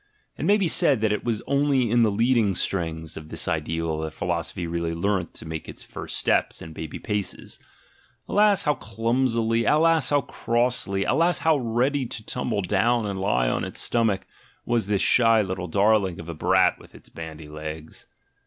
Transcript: It may be said that it was only in the leading strings of this ideal that philosophy really learnt to make its first steps and baby paces — alas how clumsily, alas how crossly, alas how ready to tumble down and lie on its stomach was this shy little darling of a brat with its bandy legs!